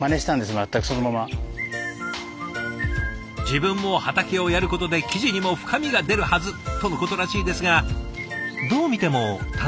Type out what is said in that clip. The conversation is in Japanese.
「自分も畑をやることで記事にも深みが出るはず」とのことらしいですがどう見ても楽しんでますよね？